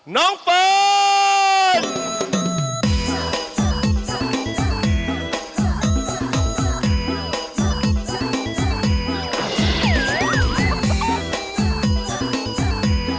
น้องเฟิร์น